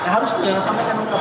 harus jangan sampaikan lengkap